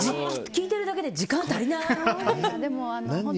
聞いてるだけで時間が足りない！